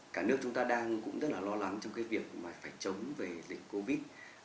cả nước chúng ta đang cũng rất là lo lắng trong cái việc mà phải chống về dịch covid